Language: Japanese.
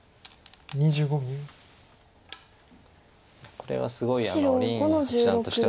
これはすごい林八段としては。